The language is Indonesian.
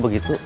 buat ayam itu